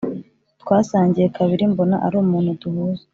Twasangiye kabiri mbona ari umuntu duhuza